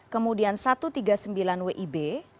kemudian satu ratus tiga puluh sembilan wib